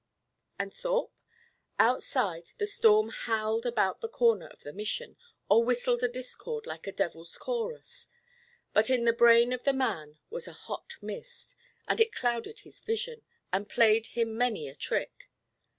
And Thorpe? Outside, the storm howled about the corner of the Mission, or whistled a discord like a devil's chorus; but in the brain of the man was a hot mist, and it clouded his vision and played him many a trick.